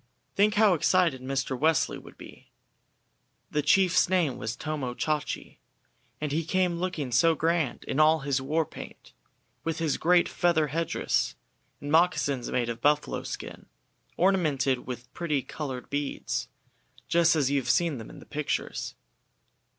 Think how excited Mr. Wesley would be! The chief's name was Tomo Chachi, and he came looking so grand in all his war paint, with his great feather head dress, and moccasins made of buffalo skin, ornamented with pretty coloured beads, just as you have seen them in pictures.